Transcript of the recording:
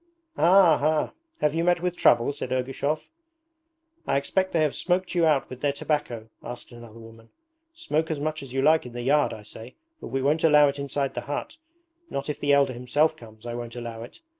'Ah, ha! Have you met with trouble?' said Ergushov. 'I expect they have smoked you out with their tobacco?' asked another woman. 'Smoke as much as you like in the yard, I say, but we won't allow it inside the hut. Not if the Elder himself comes, I won't allow it.